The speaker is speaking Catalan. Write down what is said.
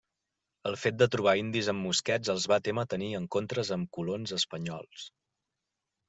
El fet de trobar indis amb mosquets els va témer tenir encontres amb colons espanyols.